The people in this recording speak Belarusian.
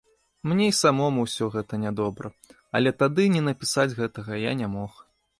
Мне і самому ўсё гэта нядобра, але тады не напісаць гэтага я не мог.